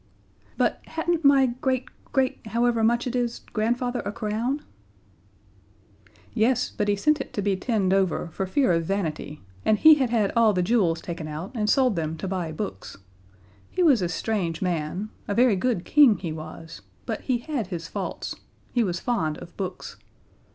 "But hadn't my great great however much it is grandfather a crown?" "Yes, but he sent it to be tinned over, for fear of vanity, and he had had all the jewels taken out, and sold them to buy books. He was a strange man; a very good King he was, but he had his faults he was fond of books.